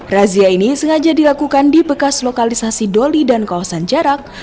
razia ini sengaja dilakukan di bekas lokalisasi doli dan kawasan jarak